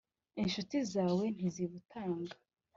inshuti zawe ntizibutanga....